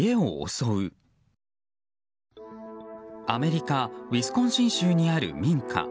アメリカウィスコンシン州にある民家。